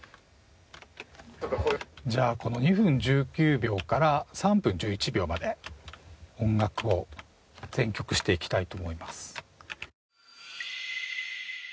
じゃあこの２分１９秒から３分１１秒まで音楽を選曲していきたいと思います。